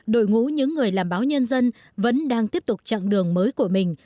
đội ngũ những người làm báo nhân dân vẫn đang tiếp tục chặng đường mới của mình